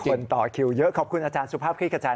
คนต่อคิวเยอะขอบคุณอาจารย์สุภาพคลิกกระจาย